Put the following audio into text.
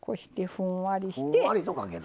ふんわりとかける。